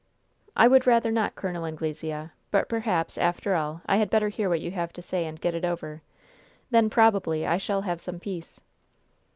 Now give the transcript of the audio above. "I would rather not, Col. Anglesea; but perhaps, after all, I had better hear what you have to say and get it over. Then, probably, I shall have some peace."